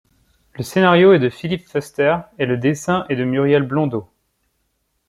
Le scénario est de Philippe Foerster et le dessin est de Muriel Blondeau.